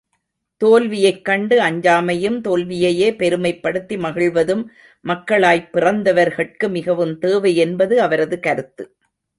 தோல்வியைக் கண்டு அஞ்சாமையும் தோல்வியையே பெருமைப்படுத்தி மகிழ்வதும் மக்காளய்ப் பிறந்தவர்கட்கு மிகவும் தேவை என்பது அவரது கருத்து.